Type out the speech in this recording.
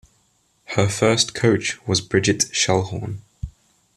Her first coach was Brigitte Schellhorn.